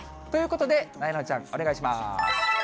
ということでなえなのちゃん、お願いします。